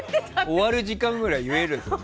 終わる時間くらい言えるよ。